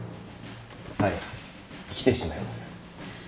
はい。来てしまいます。